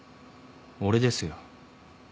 俺ですよ。